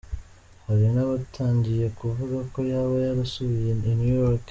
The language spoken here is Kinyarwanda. Hari n’abatangiye kuvuga ko yaba yarasubiye i New York.